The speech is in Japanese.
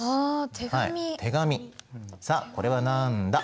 さあこれは何だ？